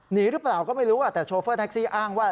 หนีหรือเปล่าก็ไม่รู้แต่โชเฟอร์แท็กซี่อ้างว่า